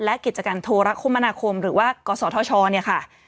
และกิจการโทรคมนาคมหรือว่ากศธชเนี่ยค่ะ